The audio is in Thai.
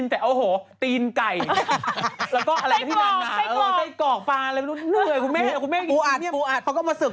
เดี๋ยวเขาจะเดินมาเราค่อยสั่งของ